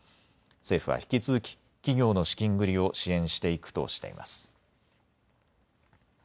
政府は引き続き企業の資金繰りを支援していくとしています。